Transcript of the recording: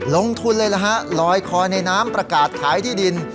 ลงทุนเลยนะฮะลอยคอในน้ำประกาศขายที่ดิน